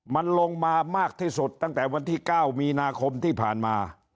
มันลงมามากที่สุดตั้งแต่วันที่๙มีนาคมที่ผ่านมา